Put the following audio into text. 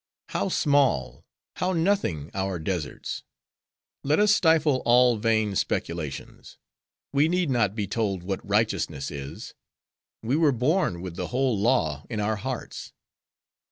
"'How small;—how nothing, our deserts! Let us stifle all vain speculations; we need not to be told what righteousness is; we were born with the whole Law in our hearts.